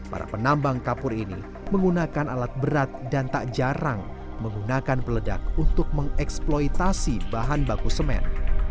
para penambang kapur ini menggunakan alat berat dan tak jarang menggunakan peledak untuk mengeksploitasi bahan baku semen